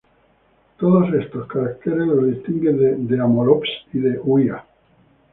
Todos estos caracteres lo distinguen de "Amolops" y de "Huia".